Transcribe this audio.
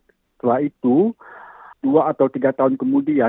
setelah itu dua atau tiga tahun kemudian